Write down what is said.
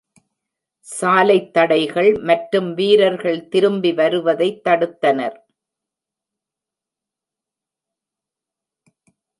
சாலைத் தடைகள், மற்றும் வீரர்கள் திரும்பி வருவதைத் தடுத்தனர்.